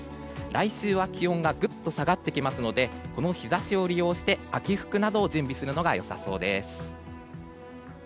来週は気温がぐっと下がってきますのでこの日差しを利用して秋服などを準備するのが良さそうです。